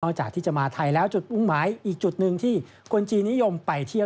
นอกจากที่จะมาไทยแล้วอีกจุดหนึ่งที่คนจีนนิยมไปเที่ยว